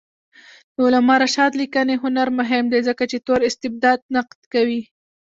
د علامه رشاد لیکنی هنر مهم دی ځکه چې تور استبداد نقد کوي.